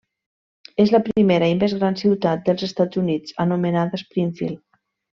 És la primera i més gran ciutat dels Estats Units anomenada Springfield.